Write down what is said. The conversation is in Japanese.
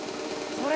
それ！